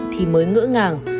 thì mới ngỡ ngàng